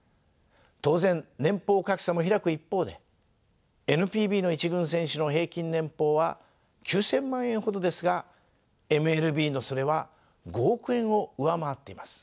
当然年俸格差も開く一方でＮＰＢの１軍選手の平均年俸は９，０００万円ほどですがＭＬＢのそれは５億円を上回っています。